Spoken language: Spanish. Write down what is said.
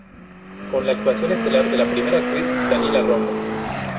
Con la actuación estelar de la primera actriz Daniela Romo.